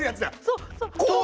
そうそう！